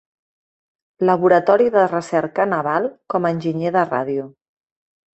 Laboratori de Recerca Naval com a enginyer de ràdio.